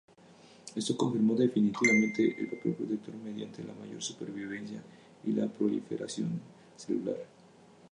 Esto confirmó definitivamente el papel protector mediante la mayor supervivencia y la proliferación celular.